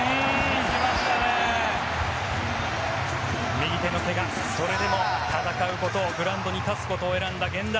右手のけがそれでも戦うことをグラウンドに立つことを選んだ源田。